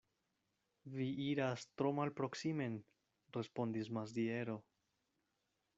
Vi iras tro malproksimen, respondis Maziero.